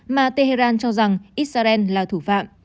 mà tehran cho rằng israel là thủ phạm